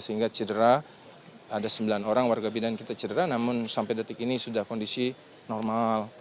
sehingga cedera ada sembilan orang warga bidan kita cedera namun sampai detik ini sudah kondisi normal